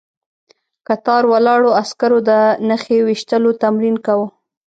کتار ولاړو عسکرو د نښې ويشتلو تمرين کاوه.